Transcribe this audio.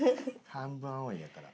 『半分、青い。』やから。